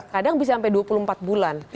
kadang bisa sampai dua puluh empat bulan